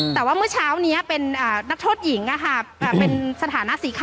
แต่ว่าเมื่อเช้านี้เป็นนักโทษหญิงเป็นสถานะสีขาว